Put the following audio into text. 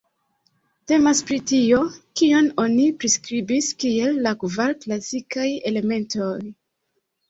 Temas pri tio, kion oni priskribis kiel la kvar klasikaj elementoj.